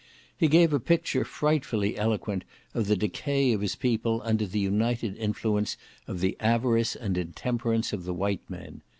He gave a picture frightfully eloquent of the decay of his people under the united influence of the avarice and intemperance of the white men.